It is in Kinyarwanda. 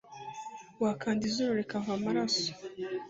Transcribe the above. wakanda izuru rikava amaraso